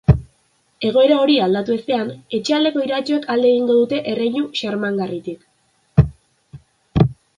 Egoera hori aldatu ezean, etxaldeko iratxoek alde egingo dute erreinu xarmangarritik.